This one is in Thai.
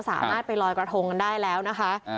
สามารถไปลอยกระทงกันได้แล้วนะคะ